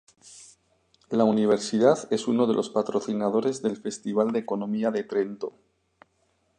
La universidad es uno de los patrocinadores del Festival de Economía de Trento.